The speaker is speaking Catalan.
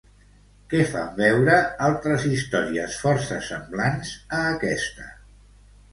Què fan veure altres històries força semblants a aquesta?